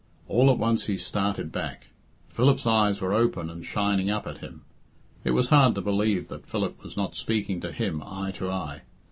All at once he started back. Philip's eyes were open and shining up at him. It was hard to believe that Philip was not speaking to him eye to eye.